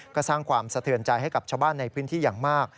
ก็สร้างความสะเทือนใจให้กับชาวบ้านในพื้นที่อย่างมาก